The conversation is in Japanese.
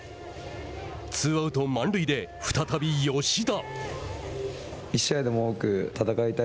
ツーアウト、満塁で再び吉田。